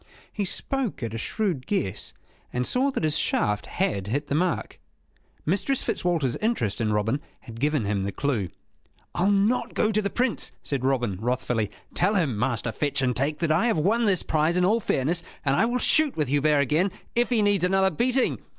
He spoke at a shrewd guess, and saw that his shaft had hit the mark. Mistress Fitzwalter's interest in Robin had given him the clue. "I'll not go to the Prince," said Robin, wrathfully. "Tell him, Master Fetch and Take, that I have won this prize in all fairness; and I will shoot with Hubert again, if he needs another beating."